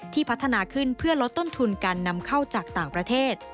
พัฒนาขึ้นเพื่อลดต้นทุนการนำเข้าจากต่างประเทศ